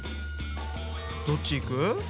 どっちいく？